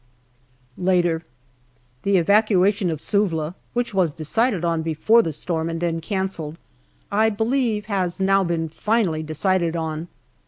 Later. The evacuation of Suvla, which was decided on before the storm and then cancelled, I believe has now been finally decided on.